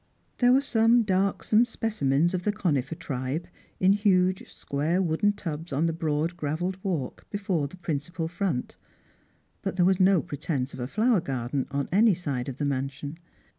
There were some darksome specimens of the conifer tribe in huge square wooden tubs upon the broad gravelled walk before the principal front; but there was no pretence of a flower garden on any side of the mansion.